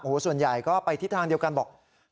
ส่วนใหญ่ก็ไปทิศทางเดียวกันบอก